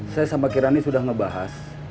saya sama kirani sudah ngebahas